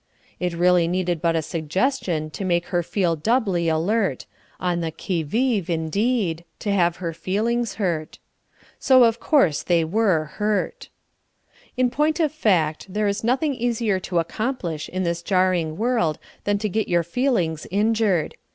It really needed but a suggestion to make her feel doubly alert on the qui vive, indeed to have her feelings hurt. So of course they were hurt. In point of fact, there is nothing easier to accomplish in this jarring world than to get your feelings injured.